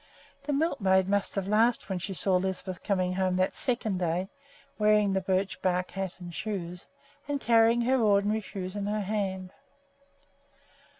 The milkmaid must have laughed when she saw Lisbeth coming home that second day wearing the birch bark hat and shoes, and carrying her ordinary shoes in her hand.